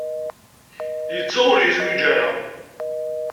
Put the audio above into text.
Yettu ur yezwiǧ ara.